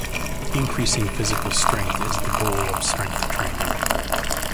Increasing physical strength is the goal of strength training.